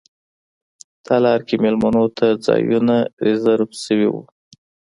تالار کې میلمنو ته ځایونه ریزرف شوي وو.